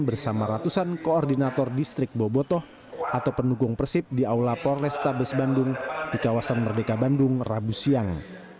bersama ratusan koordinator distrik bobotoh atau pendukung persib di aula polrestabes bandung di kawasan merdeka bandung rabu siang